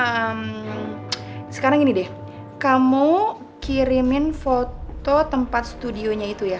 ehm sekarang gini deh kamu kirimin foto tempat studio nya itu ya